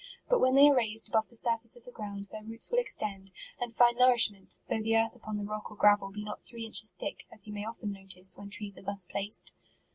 But when they are raised above the surface of the ground, their roots will extend, and find nourishment, though the earth upon the rock or gravel be not three inches thick, as you may often notice, when trees are thus pla ced.